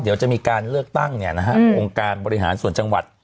เดี๋ยวจะมีการเลือกตั้งองค์การบริหารส่วนจังหวัด